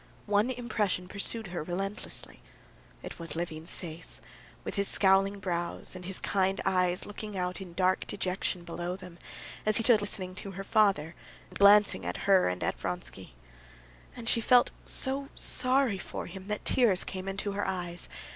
One impression pursued her relentlessly. It was Levin's face, with his scowling brows, and his kind eyes looking out in dark dejection below them, as he stood listening to her father, and glancing at her and at Vronsky. And she felt so sorry for him that tears came into her eyes.